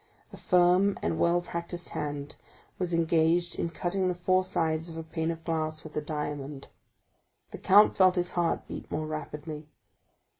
A firm and well practised hand was engaged in cutting the four sides of a pane of glass with a diamond. The count felt his heart beat more rapidly.